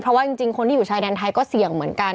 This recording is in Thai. เพราะว่าจริงคนที่อยู่ชายแดนไทยก็เสี่ยงเหมือนกัน